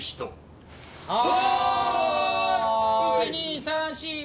１２３４５